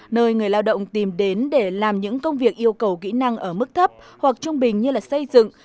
nơi người lao động tìm đến để làm những công việc yêu cầu kỹ năng ở mức thấp hoặc trung bình như xây dựng